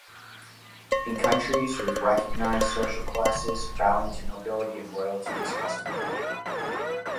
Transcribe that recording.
In countries with recognized social classes, bowing to nobility and royalty is customary.